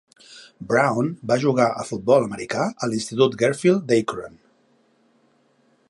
Brown va jugar a futbol americà a l'institut Garfield d'Akron.